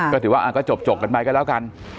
ก็ถือว่าก็จบกันไปก็แล้วกัน